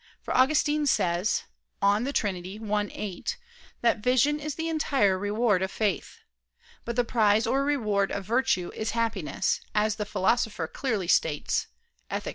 For Augustine says (De Trin. i, 8) that "vision is the entire reward of faith." But the prize or reward of virtue is happiness, as the Philosopher clearly states (Ethic.